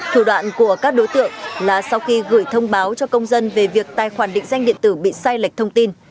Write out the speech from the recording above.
thủ đoạn của các đối tượng là sau khi gửi thông báo cho công dân về việc tài khoản định danh điện tử bị sai lệch thông tin